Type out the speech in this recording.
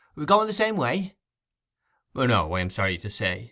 Going the same way?' 'No, I am sorry to say!